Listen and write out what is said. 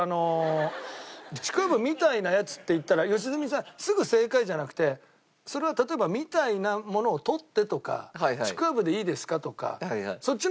「ちくわぶみたいなやつ」って言ったら良純さんすぐ「正解」じゃなくてそれは例えば「“みたいなもの”を取って」とか「ちくわぶでいいですか？」とかそっちの誘導はいいです。